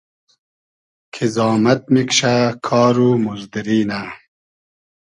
کی زامئد میکشۂ ، کار و موزدوری نۂ